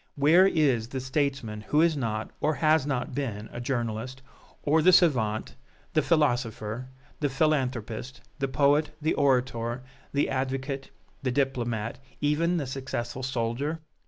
Where is the statesman who is not, or has not been, a journalist, or the savant, the philosopher, the philanthropist, the poet, the orator, the advocate, the diplomat, even the successful soldier?